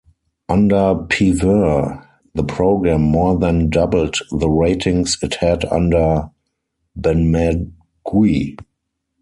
Under Pevere, the program more than doubled the ratings it had under Benmergui.